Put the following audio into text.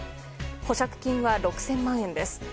保釈金は６０００万円です。